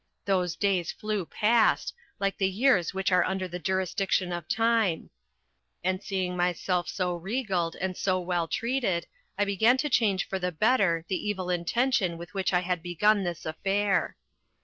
Those days flew fast, like the years which are under the jurisdiction of time; and seeing myself so regaled and so well treated, I began to change for the better the evil intention with which I had begun this affair.